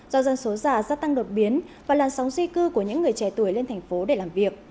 do dân số già gia tăng đột biến và làn sóng di cư của những người trẻ tuổi lên thành phố để làm việc